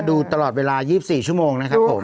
ดูตลอดเวลา๒๔ชั่วโมงนะครับผม